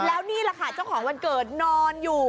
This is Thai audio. แล้วนี่แหละค่ะเจ้าของวันเกิดนอนอยู่